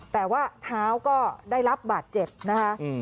แต่ว่าเท้าก็ได้รับบาดเจ็บนะคะ